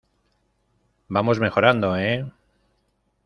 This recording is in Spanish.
vamos mejorando, ¿ eh?